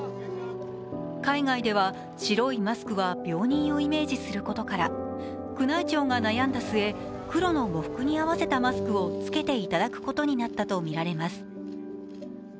海外では白いマスクは病人をイメージすることから、宮内庁が悩んだ末、黒の喪服に合わせたマスクをつけていただくことになったとみられます。